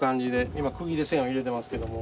今くぎで線を入れてますけども。